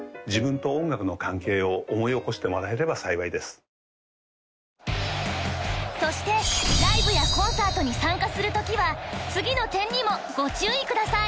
そして時々そしてライブやコンサートに参加する時は次の点にもご注意ください